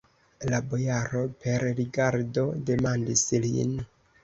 La bojaro per rigardo demandis lin.